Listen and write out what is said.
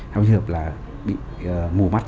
hai mấy trường hợp là bị mù mắt